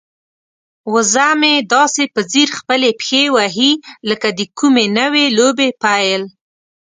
وزه مې داسې په ځیر خپلې پښې وهي لکه د کومې نوې لوبې پیل.